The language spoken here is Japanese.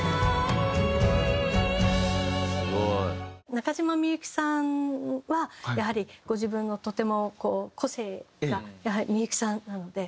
中島みゆきさんはやはりご自分のとてもこう個性がやはりみゆきさんなので。